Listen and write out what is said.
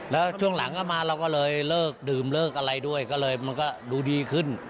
แล้วช่วงหลังก็มาเราก็เลยเลิกดื่มเลิกอะไรด้วยก็เลยมันก็ดูดีขึ้น